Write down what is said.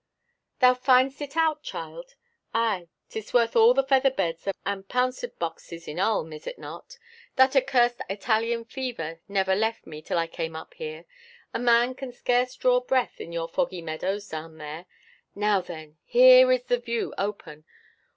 "Thou find'st it out, child? Ay, 'tis worth all the feather beds and pouncet boxes in Ulm; is it not? That accursed Italian fever never left me till I came up here. A man can scarce draw breath in your foggy meadows below there. Now then, here is the view open.